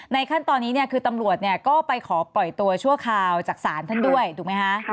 ขั้นตอนนี้คือตำรวจก็ไปขอปล่อยตัวชั่วคราวจากศาลท่านด้วยถูกไหมคะ